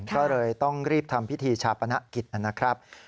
ก็เลยต้องรีบทำพิธีชาปนกิจนะครับ